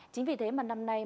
chính vì thế mà năm nay